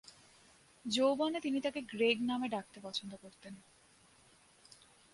যৌবনে তিনি তাকে গ্রেগ নামে ডাকতে পছন্দ করতেন।